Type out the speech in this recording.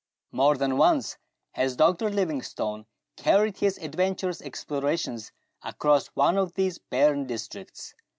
More than once has Dr. Livingstone carried his adventurous explora tions across one of these barren districts.